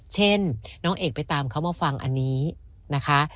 เช่นน้องเอกไปตามเขามาฟังอันนี้นะคะ